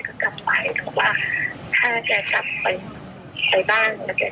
คือขับรถผ่านเนอะที่ก็บอกว่าฉันอยากจะได้ที่ตรงนี้